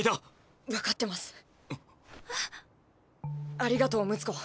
ありがとう睦子。